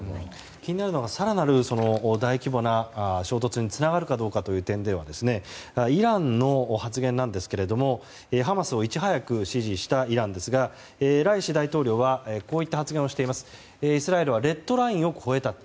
気になるのが更なる大規模な衝突につながるかという点ではイランの発言ですがハマスをいち早く支持したイランですがライシ大統領はこういった発言をしていてイスラエルはレッドラインを越えたと。